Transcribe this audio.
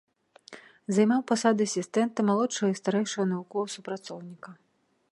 Займаў пасады асістэнта, малодшага і старэйшага навуковага супрацоўніка.